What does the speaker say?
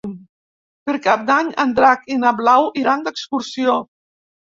Per Cap d'Any en Drac i na Blau iran d'excursió.